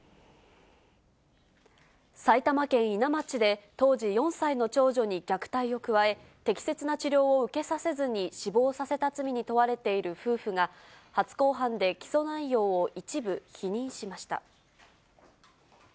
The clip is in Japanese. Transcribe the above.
埼玉県伊奈町で、当時、４歳の長女に虐待を加え、適切な治療を受けさせずに死亡させた罪に問われている夫婦が、初公判で起訴内容を一部否認しました。